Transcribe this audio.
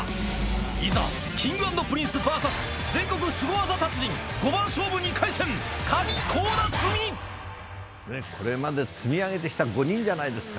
いざ、Ｋｉｎｇ＆ＰｒｉｎｃｅＶＳ全国スゴ技達人５番勝負２回戦、これまで積み上げてきた５人じゃないですか。